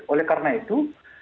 oleh karena itu